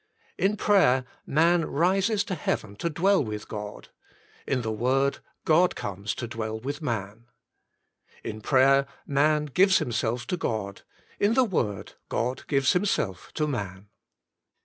In prayer* man rises to heaven to dwell with God: in the Word God comes to dwell with man. In prayer man gives himself to God: in the Word God gives Himself to man.